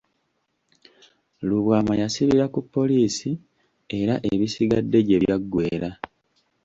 Lubwama yasibira ku poliisi era ebisigadde gye byagweera.